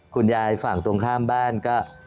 คุณยายฝั่งตรงข้ามบ้านก็